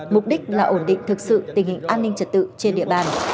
mục đích là ổn định thực sự tình hình an ninh trật tự trên địa bàn